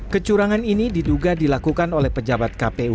kecurangan ini diduga dilakukan oleh pejabat pejabat yang berpengalaman